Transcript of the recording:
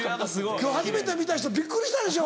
今日初めて見た人びっくりしたでしょ。